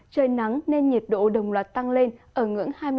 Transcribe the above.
trời nắng nên nhiệt độ đồng loạt tăng lên ở ngưỡng hai mươi ba hai mươi tám độ